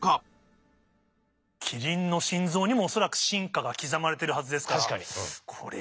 キリンの心臓にも恐らく進化が刻まれてるはずですから。